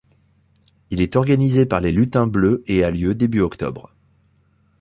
Il est organisé par Les Lutins Bleus et a lieu début octobre.